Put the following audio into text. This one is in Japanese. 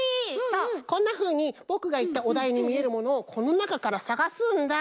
そうこんなふうにぼくがいったおだいにみえるものをこのなかからさがすんだ。